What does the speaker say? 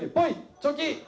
チョキ